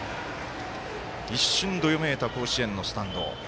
一瞬どよめいた甲子園のスタンド。